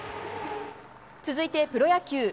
続いてプロ野球。